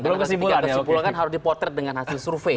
karena kesimpulan harus dipotret dengan hasil survei